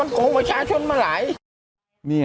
ฟังลูกครับ